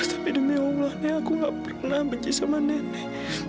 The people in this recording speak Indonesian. tapi demi allah aku nggak pernah benci sama nenek